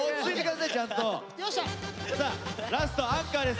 さあラストアンカーです。